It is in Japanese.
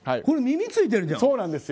これ耳ついてるじゃん！